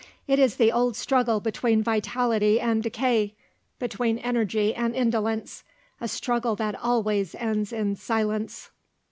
It is the old struggle between vitality and decay, between energy and indolence; a struggle that always ends in silence.